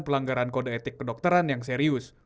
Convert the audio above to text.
pelanggaran kode etik kedokteran yang serius